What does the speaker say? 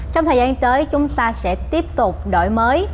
trong thời gian tới chúng ta sẽ tiếp tục đổi mới